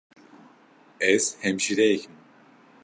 Ez hemşîreyek im.